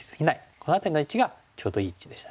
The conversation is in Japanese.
この辺りの位置がちょうどいい位置でしたね。